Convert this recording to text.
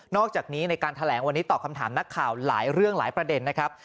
อกจากนี้ในการแถลงวันนี้ตอบคำถามนักข่าวหลายเรื่องหลายประเด็นนะครับ